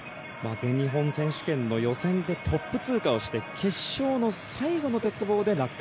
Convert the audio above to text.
全日本選手権の予選でトップ通過して決勝の最後の鉄棒で落下。